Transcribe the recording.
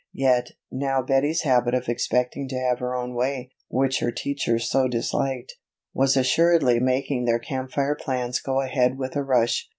Yet, now Betty's habit of expecting to have her own way, which her teacher so disliked, was assuredly making their Camp Fire plans go ahead with a rush.